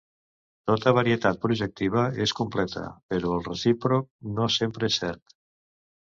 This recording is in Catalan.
Tota varietat projectiva és completa, però el recíproc no sempre és cert.